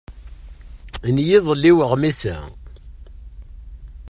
N yiḍelli uɣmis-a.